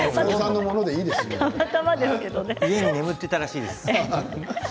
家に眠っていたらしいです。